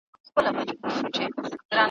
زه لکه زېری نا خبره دي پر خوا راځمه ,